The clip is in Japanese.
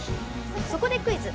そこでクイズ。